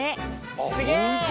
すげえ！